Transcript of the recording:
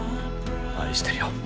愛してるよ。